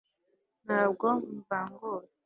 ntabwo mvangura